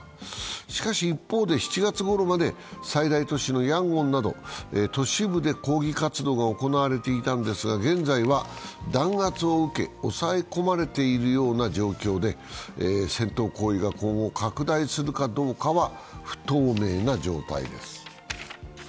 しかし一方で、７月ごろまで最大都市のヤンゴンなど都市部で抗議活動が行われていたんですが、現在は弾圧を受け、抑え込まれているような状況で戦闘行為が今後拡大するかどうかは不透明な状態です。